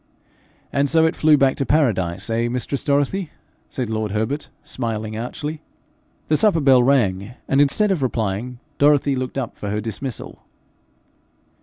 'And so it flew back to Paradise eh, mistress Dorothy?' said lord Herbert, smiling archly. The supper bell rang, and instead of replying, Dorothy looked up for her dismissal.